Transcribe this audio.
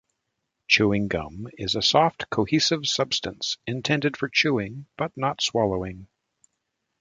Chewing gum is a soft, cohesive substance intended for chewing but not swallowing.